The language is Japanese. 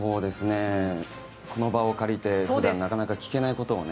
この場を借りて普段なかなか聞けないことをね。